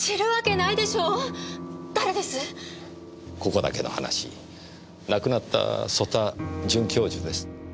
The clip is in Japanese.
ここだけの話亡くなった曽田准教授です。